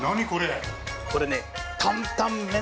これね。